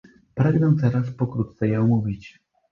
Pragnę teraz pokrótce je omówić